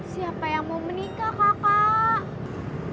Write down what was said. siapa yang mau menikah pak